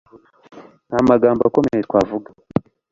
Nta magambo akomeye twavuga